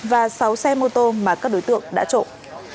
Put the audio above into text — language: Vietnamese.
và sáu xe mô tô mà các đối tượng đã trộm